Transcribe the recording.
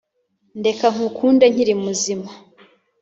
Ndeka ngukunde nkiri muzima